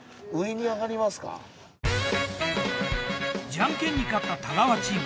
じゃんけんに勝った太川チーム。